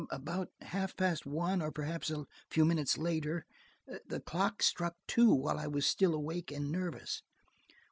"About half past one or perhaps a few minutes later. The clock struck two while I was still awake and nervous."